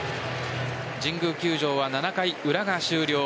神宮球場は７回裏が終了。